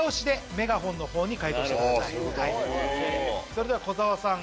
それでは小澤さん